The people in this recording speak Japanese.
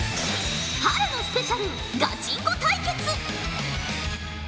春のスペシャルガチンコ対決。